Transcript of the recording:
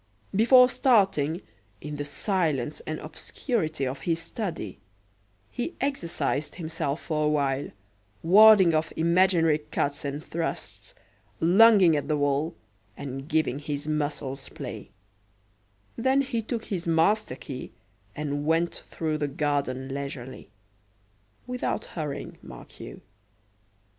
Before starting, in the silence and obscurity of his study, he exercised himself for a while, warding off imaginary cuts and thrusts, lunging at the wall, and giving his muscles play; then he took his master key and went through the garden leisurely; without hurrying, mark you.